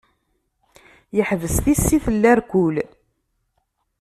Yeḥbes tissit n larkul.